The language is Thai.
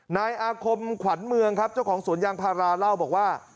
นายอาคมขวัญเมืองครับเจ้าของสวนยางพาราเล่าบอกว่า